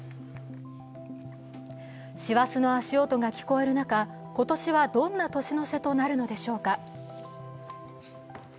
師走の足音が聞こえる中、今年はどんな年の瀬となるのでしょうか。